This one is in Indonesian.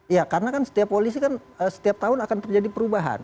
ya karena kan setiap polisi kan setiap tahun akan terjadi perubahan